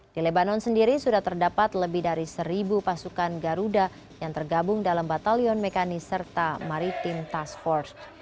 di lebanon sendiri sudah terdapat lebih dari seribu pasukan garuda yang tergabung dalam batalion mekanis serta maritim task force